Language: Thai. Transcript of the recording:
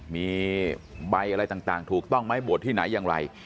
มีใบอะไรต่างถูกต้องไหมบวชที่ไหนอย่างไร